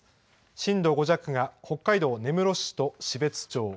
震度５弱が北海道根室市と標津町。